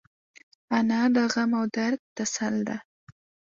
انا د غم او درد تسل ده